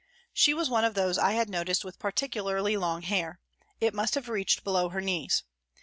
She was one of those I had noticed with particularly long hair ; it must have reached below her knees.